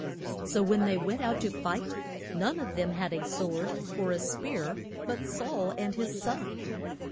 So when they went out to fight none of them had a sword or a spear but Saul and his son.